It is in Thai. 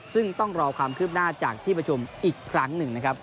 ซึ่งต้องรอความคืบหน้าจากที่ประชุมอีกครั้งหนึ่งนะครับ